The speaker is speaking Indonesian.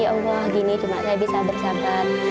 ya allah gini cuma saya bisa bersahabat